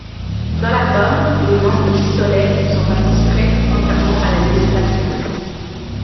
Dans l'album, les noms de pistolets ne sont pas censurés contrairement à la législation.